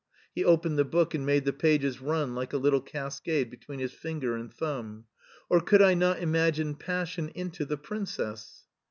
He opened the book and made the pages run like a little cascade between his finger and thumb. " Or could I not imagine passion into the princess